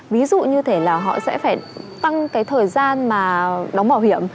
ví dụ như thế là họ sẽ phải tăng cái thời gian mà đóng bảo hiểm